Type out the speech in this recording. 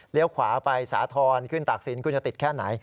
ขวาไปสาธรณ์ขึ้นตากศิลปคุณจะติดแค่ไหน